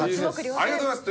ありがとうございます。